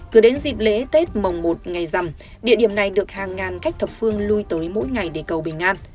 cứ đến dịp lễ tết mồng một ngày rằm địa điểm này được hàng ngàn khách thập phương lui tới mỗi ngày để cầu bình an